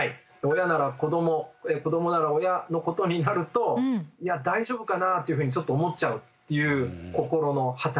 親なら子ども子どもなら親のことになると大丈夫かなあというふうにちょっと思っちゃうという心の働きです。